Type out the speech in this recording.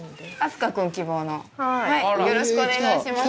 よろしくお願いします